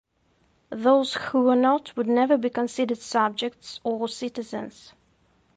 Those who were not would never be considered subjects or citizens.